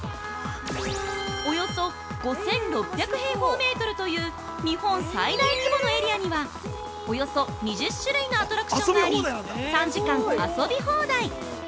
およそ５６００平方メートルという日本最大規模のエリアにはおよそ２０種類のアトラクションがあり３時間遊び放題！